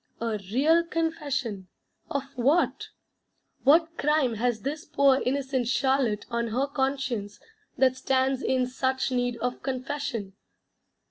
A real Confession of what? What crime has this poor innocent Charlotte on her conscience that stands in such need of confession?